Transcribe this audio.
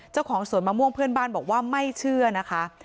เจ้าของสวนมะม่วงเพื่อนบ้านบอกว่าไม่เชื่อนะคะ